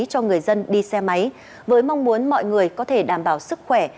cho người dân đi xe máy với mong muốn mọi người có thể đảm bảo sức khỏe